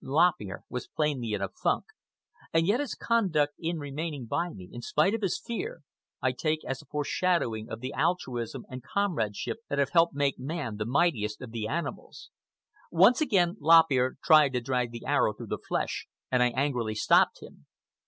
Lop Ear was plainly in a funk, and yet his conduct in remaining by me, in spite of his fear, I take as a foreshadowing of the altruism and comradeship that have helped make man the mightiest of the animals. Once again Lop Ear tried to drag the arrow through the flesh, and I angrily stopped him.